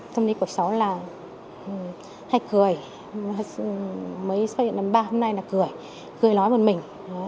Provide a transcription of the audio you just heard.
tôi nghĩ của cháu là hãy cười mới xác nhận năm ba hôm nay là cười cười nói với mình